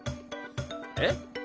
えっ？